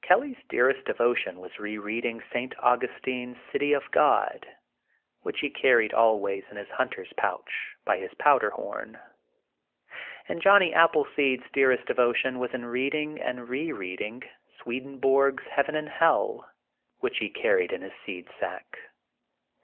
Kelly ^s dearest devo tion was re reading St. Augustine's City of God,'' which he carried always in his hunter's pouch, by his powder horn. And Johnny Ap pleseed 's dearest devotion was in reading and re reading Swedenborg's Heaven and Hell," which he carried in his seed sack.